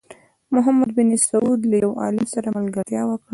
محمد بن سعود له یو عالم سره ملګرتیا وکړه.